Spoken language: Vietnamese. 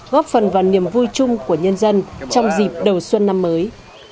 góp phần vào niềm vui chung của nhân dân trong dịp đầu xuân năm mới